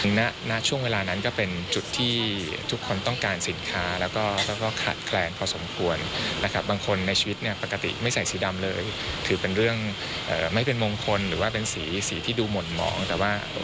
ณช่วงเวลานั้นก็เป็นจุดที่ทุกคนต้องการสินค้าแล้วก็ขาดแคลนพอสมควรนะครับบางคนในชีวิตเนี่ยปกติไม่ใส่สีดำเลยถือเป็นเรื่องไม่เป็นมงคลหรือว่าเป็นสีสีที่ดูหม่นหมองแต่ว่า